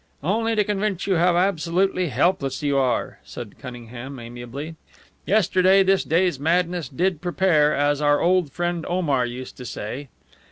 "Only to convince you how absolutely helpless you are," said Cunningham, amiably. "Yesterday this day's madness did prepare, as our old friend Omar used to say.